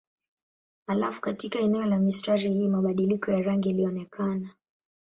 Halafu katika eneo la mistari hii mabadiliko ya rangi ilionekana.